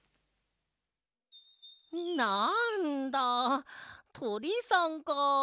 なんだとりさんか。